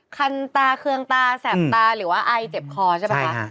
คันตาเคืองตาแสบตาหรือว่าไอเจ็บคอใช่ป่ะคะ